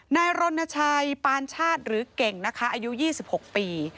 นายรณชัยปานชาติหรือเก่งนะคะอายุ๒๖ปี